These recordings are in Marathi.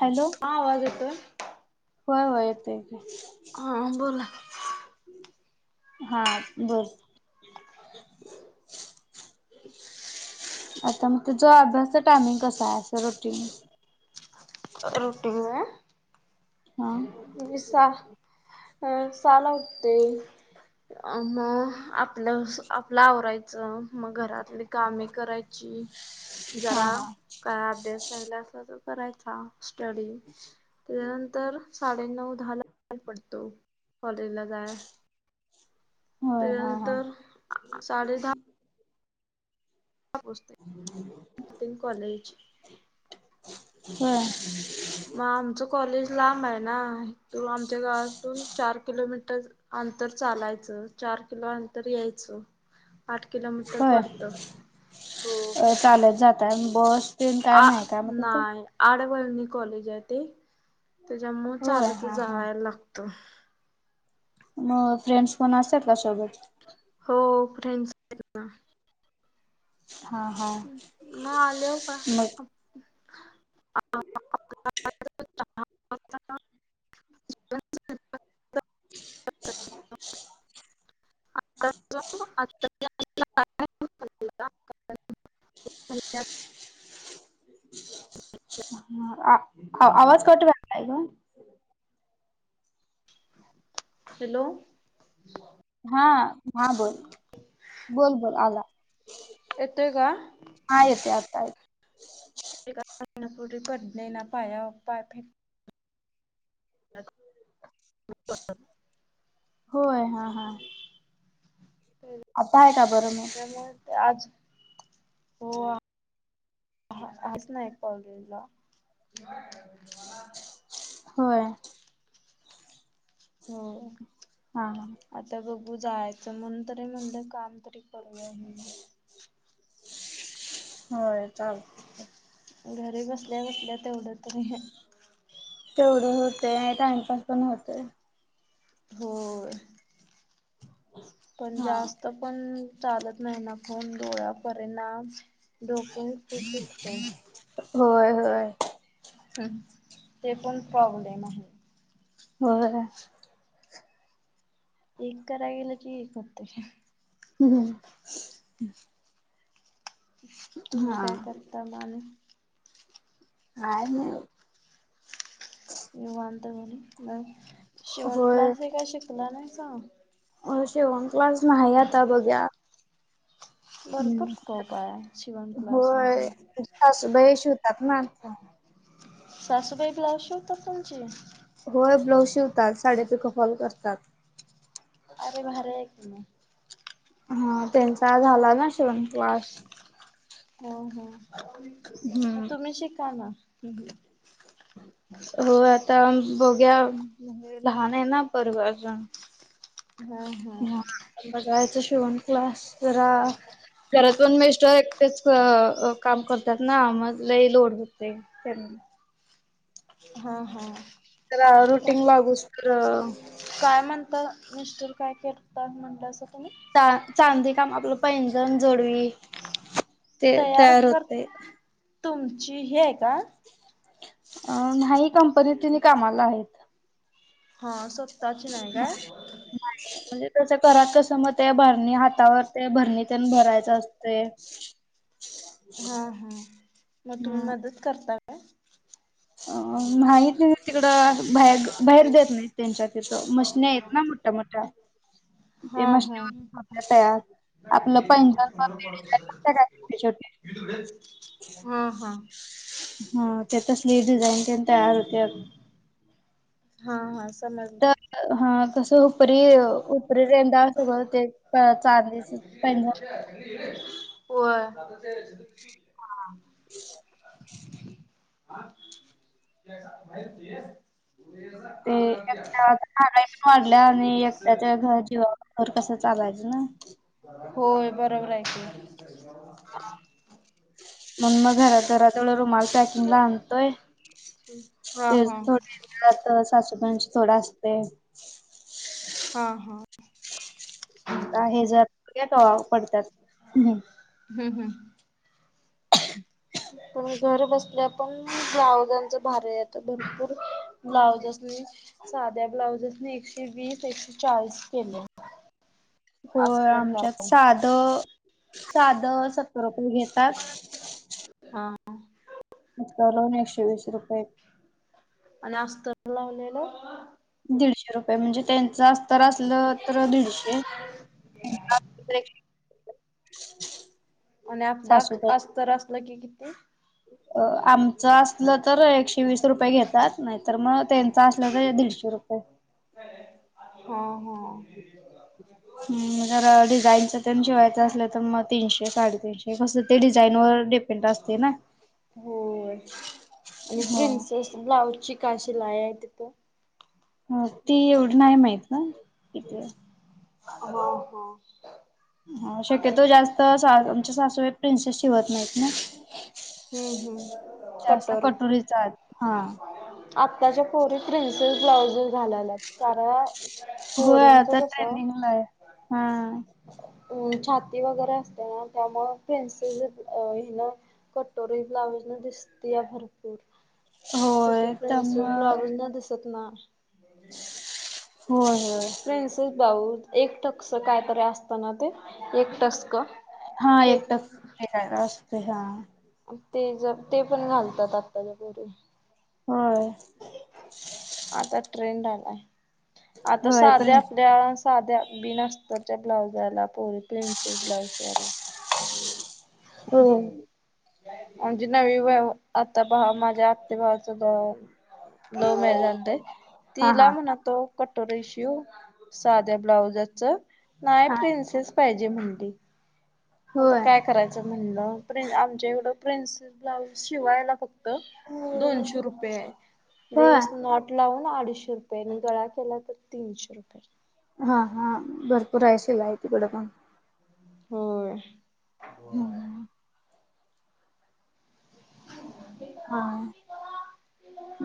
हॅलो हा आवाज येतोय? होय होय येतोय की हा बोला हां बरं आता म तुझ अभ्यास च टायमिंग कस हाय अस रुटीन रुटीन व्हय हां मी सा अं सा ला उठते अ म आपलंसं आपलं आवरायचं मग घरातली कामे करायची हा जरा हा काय आभ्यास ऱ्हायला असला तर करायचा स्टडी तेज्या नंतर साडेनऊ धाला ल पडतो कॉलेज ला जाय होय तेज्या हा हा नंतर साडे धा उसतय तन कॉलेज होय म आमचं कॉलेज लांब हाय ना हितू आमच्या गावातून चार किलोमीटर आंतर चालायचं चार किलो आंतर यायचं आठ किलोमीटर व्हय पडतं. हो अ चालत जाताय आणि बस तेन काय आ नाही काय मग तिथं नाय आडवळणी कॉलेज हाय ते तेज्या मूळ होय हा चालतच हा जाया लागत म फ्रेंड्स कोण असत्यात का त्यासोबत हो फ्रेंड्स त ना हां हां मग आल्यावर मग का क ज म अत त्या झा ली आवाज कट व्हायलाय ग हेलो हां हां बोल बोल बोल आला येतोय का? हां येतय आता आय पे कर नाही ना पुढे पडणे ना पायव पाय फ़ेक होय हा हा तेम आता आहे का बरं मग त्यामुळे आज हो आहे ना एक कॉलेज ला होय होम हा हा आता बघू जायचं म्हण तरी म्हणलं काम तरी सर्वे आहे हो चालत घरी बसल्या बसल्या तेवढं तरी तेवढी होते टाइमपास पण होते हो पण हा. जास्त पण चालत नाही ना खून डोळ्या करेना होय होय ह ते पण प्रॉब्लेम आहे हो एक कराय गेलं की एक होतं हम्म तुम्ही हा काय करता माने का नाही वांत म्हणी मग शिवण होय क्लास हे काय शिकला नाही का अ शेवण क्लास नाही आता बघ्या भरपूर स्कोप आहे शिवन क्लास मध्ये तासभयश होतात ना आ शाासूबाई ब्लावज श तर तणची होय ब्लाऊज शिवतात साडे पिकअपवालच असतात अरे भर आहे क नाही हा त्यांचा झाला ना शवंतवास हो हो हम्म. तुम्ही शिका ना हो आता बघ्या लहान आहे ना परवा अजून हा हा हा बघायच शिवण क्लास जरा घरात पण मेस्टर एकटेच काम करतात ना मज ल लोड होते च हा हा तर रुटीन वागूस तर काय म्हणता मिस्टर काय करता म्हणलं अस तुम्ही चांदी काम आपलं पैंजण जोडवी ते तयार कर होते तुमची हे आहे का. नाही कंपनी तिने कामाला आहेत. हा स्वतःची नाही काय. बा. म्हणजे त्याच घरात कसं मग ते भरणी हातावर ते भरणी त्या भरायच असते. ह. हा हा मग तुम्ही मदत करता. काय? अ माहित नाही तिकडं. बाहे बाहेर देत नाहीत त्यांच्या तिथं मशन आहेत ना मोठ्या मोठ्या. ते मशले वपल्या तयार. आपलं पैंजण छोटे छोटे हम हा. हा त्या तसली डिझाईन प तयार होते. हा हा. समजलं. तर हा कसं. उर उपरे रह सगळ ते चांदी. होर. हा. ह ते. ते एक्यागाई पण वाढल्या आणि एकट्याच्या घर जवा. खर कसं चालायचं ना. होय बरोबर आहेऐक. मण मग घरात घरातवढ रुमाल पॅकिंग ला आणतोय. हा हा. थोात सासूबाईंं थोडं असते. हा हा. हे ज पडतात. हम्म हम्म. ह. पण घर बसल्या पण ब्लाउजांच भारता भरपूर. ब्लाउजेसनी साध्या ब्लाउजेसनी एकशे वीस एकशे चाळीस केले. हो अस्तर आमच्यात लावून साध साध सत्तर रुपये घेतात. हा. म करून एकशे वीस रुपये. आणि अस्तर लावलेलं. दीडश. शे रुपये म्हणजे त्यांचं अस तर असलं तर दीडशे. [unintelligible] आप द सासूबाई असस्त असस्तला क कती. अ आमचं असलं तर एकशे वीस रुपये घेतात नाहीत तर मग त्यांचं असलं तर दीडशे रुपये. होा हो. ह. जर डिझाईनचं ते जिवायच असलं तर मग तीनशे साडेतीीनशे कसं ते डिझाईन वर. पंड असते ना होय हो. ब्लाउज ची काशी लाय आहे तिथं. ह ती एवढी नाही माहित ना कथ. हो हो. हा शक्यतो जास्त आमच्या सासूई प्रिन्सेस शिवत नाही. हम्म हम्म जास्त कटोरी कटोरीचा हा. आत्ताच्या पोरीत प्रिन्सेस ब्लाउजेस घालालात कारण. गोव्या पोरींच तर कसं ट्रेंडिंगला आहे हा. अ छाती वगैरे असते ना त्यामुळे फ्रेंडस अ हिला ना कटोरी ब्लाउज न दिसती या भरपूर तसे होय त्याम प्रिन्सिल ब्लाउज न दिसत हो हो बाऊ एक टक्स कायतरी असतना ते एक टसक हा एक टकस असते हा ते ज ते पण घालतात आत्ताच्यापोरी होय आता ट्रेंड आलाय आता होय साध्या प्रे आपल्या त्या साध्या बी न असतं त्या ब्लाउजाला पोरी पिन्सल ब्लाउज वाला हो [inaudible] म्हणजे नवी व आता भावाच माझ्या आते भावाच लव्ह मॅरेज आणते हा तिला हा म्हणत तो कटोरी शिवू साध्या ब्लाउजाच नाही हा प्रिन्सेस पाहिजे जे म्हणते आता होय काय करायचं म्हणलं प्रिन आमच्या इकडं प्रिन्सेस ब्लाऊज शिवायला फक्त दोनशे रुपये दे होय इस नॉट लावून आडीशे रुपये आणि गळा केला तर तीनशे रुपये हा हा भरपूर आहे शिला आहे तिकडे पण होय हम्म हा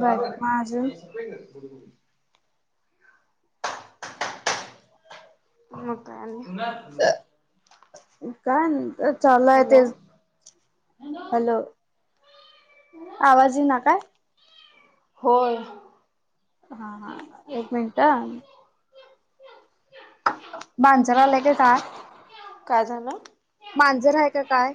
बाकी आजून बुडु मग काय आणि काय आणल हॅलो आवाजी येईना काय? होय हा हा एक एक मिनटं माजर आला का काय? काय झालं मांजर आहे का काय?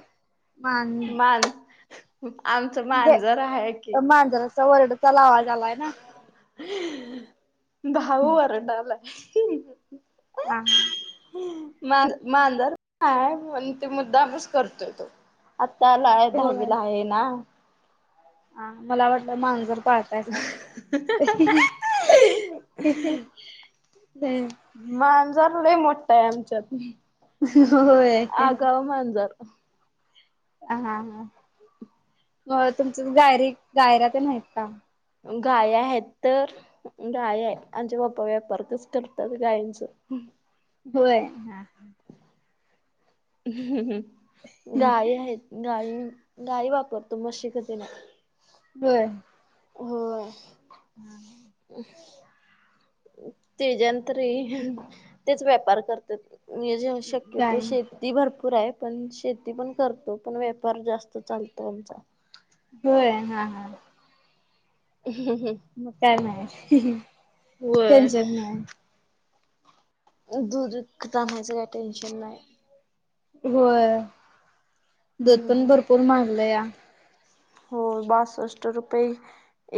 मां म्हणजे माजर आमचं मांजर आहे कि सारखं ओरडत चला वाजलाय ना भाऊ ओरडालाय हा हा मां मांजारय पण ते मुद्दा आपणच करतोय तो आत्ताला आहे दहावीला आहे ना ह मला वाटलं मांजर पाळल हम्म मांजार नाही मोठा आहे आमच्यात होय आगाव मांजार हा हा मग तुमच गायरी गायऱ्या ते आहेत ना गाय आहेत तर गाय आहे आमचे पप्पा व्यापार गायचे होय हा गाय आहेत गाय गाय वापरतो म्हशी नाही होय होय हम्म ह ते जनंतरी तेच व्यापार करत ज शक्यतो गाय श शेती भरपूर आहे पण शेती पण करतो पण व्यापार जास्त चालतो आमचा होय हा हा ह मग काय नाही होय. टेन्शन नाही दूध उता्हायचं का टेनशन नाही होय दत पण हम्म भरपूर मांारलं या हो बासष्ट रुपये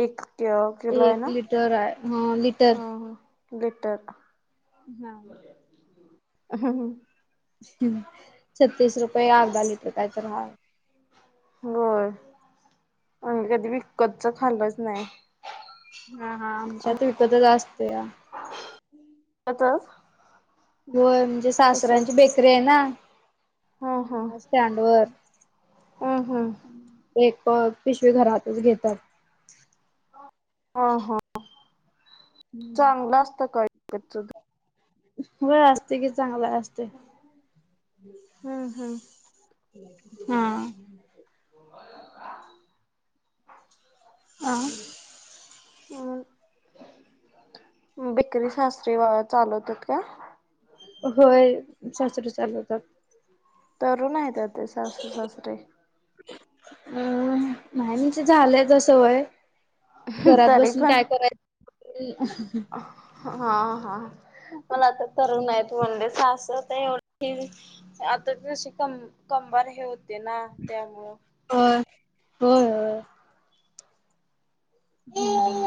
एक क कला आहे एक ना लिटर आहे हा लिटर ह ह गेटर. हम. हा हा. छत्तीस रुपये अर्धा लिटर काय तर हाय. होय, आम्ही कधी विकतचं खाल्लंच नाही. हा हा, आमच्यात विपतच असतया. त्यातच? होय, म्हणजे सासर्‍यांची बेकरी आहे ना. हम्म स्टँड वर. हम्म हम्म एक पिशवी घरातच घेतात. ह ह, हम्म चांगलं असतं का विकतचं दूध? वय असते कि चांगला असते. हम्म हम्म हम्. [inaudible] अं. ह. बेकरी शास्त्री चालवतात काय? होय, सासरे चालवतात. तरुण आहेता ते सासू-सासरे. अं नाही म्हणजे झालंय आता सवय. घरात तरी बसून काय पण करायचं? हा हा, मला आता तरुण आहेत म्हणलेच असं तर एवढी आता जशी कम कंबार हे होते ना त्यामुळं. होय, होय होय. हम्.